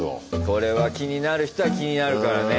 これは気になる人は気になるからね。